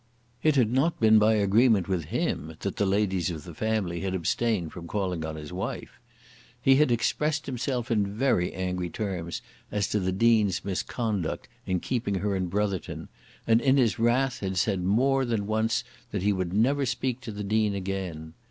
It had not been by agreement with him that the ladies of the family had abstained from calling on his wife. He had expressed himself in very angry terms as to the Dean's misconduct in keeping her in Brotherton, and in his wrath had said more than once that he would never speak to the Dean again.